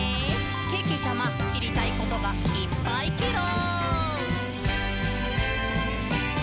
けけちゃま、しりたいことがいっぱいケロ！」